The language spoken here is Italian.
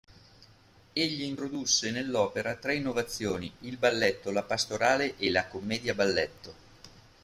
Egli introdusse nell'opera tre innovazioni: Il balletto, la pastorale e la commedia-balletto.